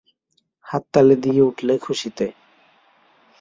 হাততালি দিয়ে উঠলে খুশিতে।